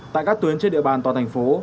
tại các tuyến trên địa bàn toàn thành phố